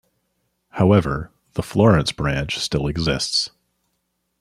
However, the Florence Branch still exists.